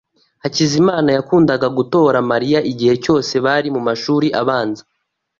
Hakizimana yakundaga gutora Mariya igihe cyose bari mumashuri abanza.